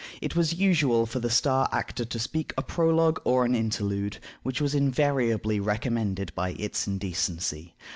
It was usual for the star actor to speak a prologue or an interlude, which was invariably recommended by its indecency.